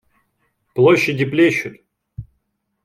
Площади плещут.